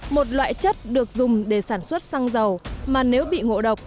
một loại chất được dùng để sản xuất xăng dầu mà nếu bị ngộ độc